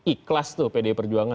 ikhlas tuh pdi perjuangan